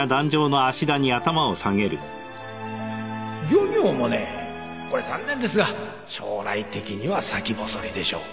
漁業もねこれ残念ですが将来的には先細りでしょう。